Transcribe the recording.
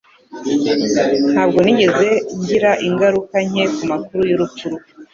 Ntabwo nigeze ngira ingaruka nke kumakuru y'urupfu rwe.